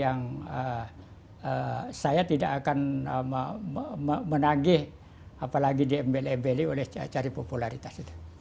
yang saya tidak akan menagih apalagi di mbl mbli oleh cari popularitas itu